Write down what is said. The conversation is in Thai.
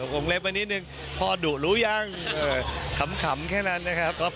วงเล็บไว้นิดนึงพ่อดุรู้ยังขำแค่นั้นนะครับ